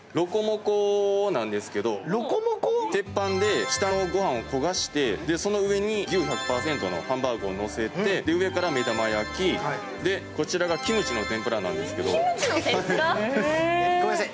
鉄板で下のご飯を焦がしてその上に牛１００％のハンバーグをのせて上から目玉焼き、こちらがキムチの天ぷらなんですけど。